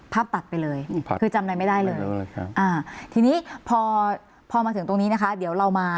ตัดไปเลยคือจำอะไรไม่ได้เลยทีนี้พอมาถึงตรงนี้นะคะเดี๋ยวเรามา